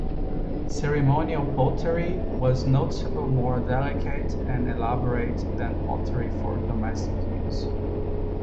Ceremonial pottery was noticeably more delicate and elaborate than pottery for domestic use.